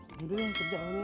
hai dengan kerjaannya